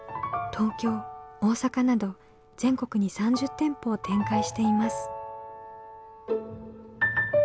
東京大阪など全国に３０店舗を展開しています。